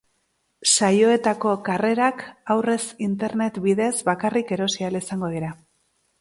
Saioetako sarrerak aurrez internet bidez bakarrik erosi ahal izango dira.